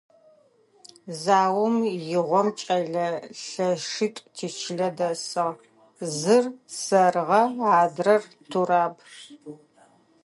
Заом игъом кӏэлэ лъэщитӏу тичылэ дэсыгъ; зыр – сэрыгъэ, адрэр – Тураб.